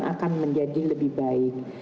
akan menjadi lebih baik